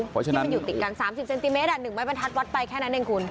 เพราะที่มันอยู่ติดกัน๓๐เซนติเมตร๑ไม้บรรทัดวัดไปแค่นั้นเองคุณ